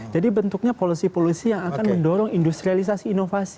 jadi bentuknya polisi polisi yang akan mendorong industrialisasi inovasi